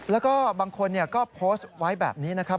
แล้วก็บางคนก็โพสต์ไว้แบบนี้นะครับ